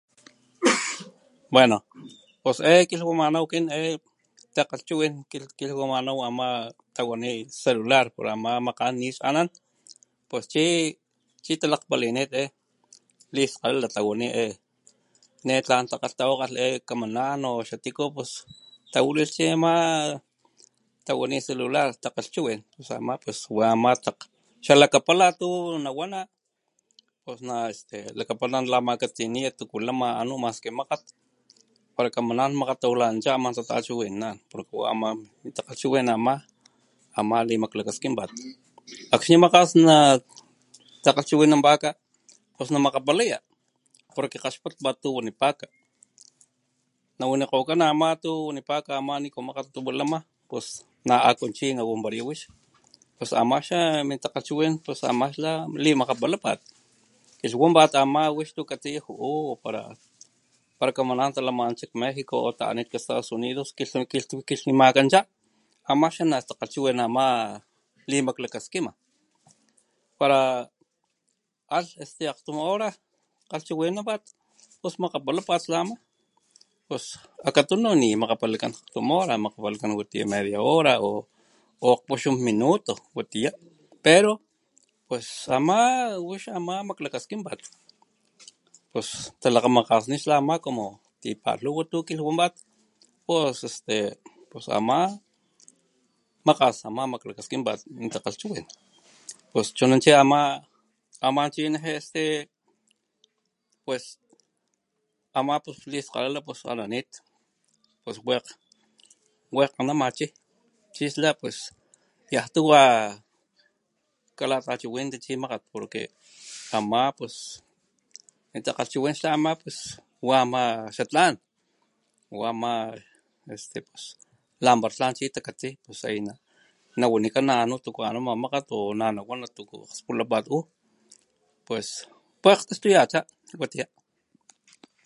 Bueno pues eh kilhwamanaw kintakgalhchiwin tawani celular ama makgan nix anan pos chi talakgpalinit he liskalala tawanit he ne tla takgalhtawakgalh xatuku chi tawalilh chi ama tawani celular takgachiwin pus wa ma xalakapala tu nawana pos lakapala nalamakatsiniya tukulama anu maski makgat para kaman makgat tawilananacha tachiwinana pero an takgchiwin nama ama nemaklakaskinpat akxni makgas takgalhchiwinapatka pos namakgapalaya poruq kgaxpatpat tuku wnaipaka nawanikgokana ama tu wanipaka ama tu makgat lama pos na aku chi wix nawanparaya chi pos ama chi mintakgachiwin lalimakgapalapat kilhwanpat wix tuku katsiya juu o para kamana talamanacha mexico o tawilanancha nak estados unidos kilhmimkancha am chi natakgalhchiwinan limaklakaskima para lah akgtun hora chiwinanapat pos makgapalapat ama pos akatunu nimakgpalakan akgtun hora wi ti media hora o akgpuxun minuto pero wa ama maklakaskinpat pos como tipalhuwa tu kilhwanpat pos ama makgas ama maklakaskinpat takgalhchiwin pos chuna chi ama chu neje este pues ama liskgalala pues wakg anama chi pues yantuwa kalatachiwinanati chi makgat pos ama chi kintakgalhchiwin ama pues wa ama xatlan wa ama xatlan labarachi tlan takatsi nawanikana tuku anama makgat o nanawana tuku akgspulapat juu ppues wakg taxtuyacha watiya.